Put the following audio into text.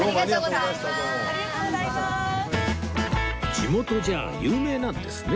地元じゃ有名なんですね